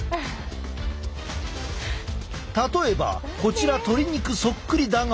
例えばこちら鶏肉そっくりだが。